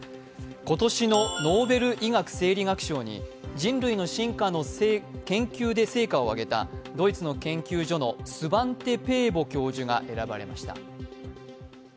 今年のノーベル医学生理学賞に人類の進化の研究で成果を挙げたドイツの研究所のスバンテ・ペーボ教授が選ばれました。